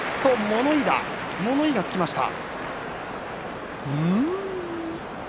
物言いがつきました。